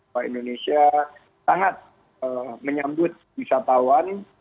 bahwa indonesia sangat menyambut wisatawan